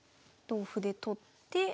同歩で取って。